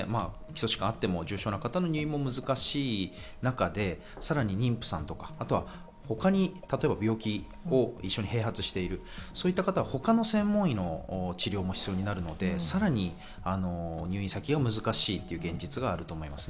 現在、純粋なコロナだけしかない方の入院も難しい中でさらに妊婦さんとか、他に病気を併発している方、他の専門医の治療も必要になってさらに入院先が難しいという現実があると思います。